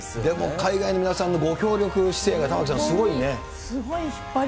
海外の皆さんのご協力姿勢が、玉城さん、すごいですね。